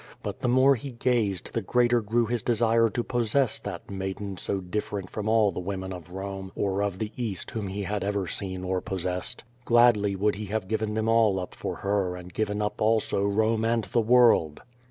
But the more he gazed the greater grew his desire to possess that maiden so different from all the women of Rome or of the East whom he had ever seen or possessed. Gladly would he have given them all up for her and given up also Kome and the world.